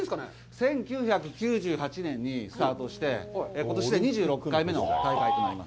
１９９８年にスタートをして、ことしで２６回目の大会となります。